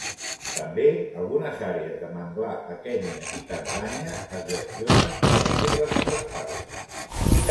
També algunes àrees de manglar a Kenya i Tanzània es gestionen com a reserves forestals.